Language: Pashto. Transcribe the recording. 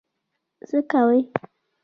څه کوې؟